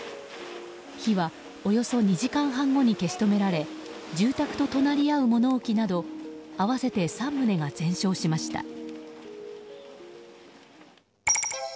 火はおよそ２時間半後に消し止められ住宅と隣り合う物置など合わせて３棟が全焼しました。